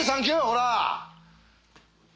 ほら！